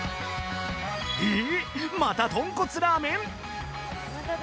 また豚骨ラーメン？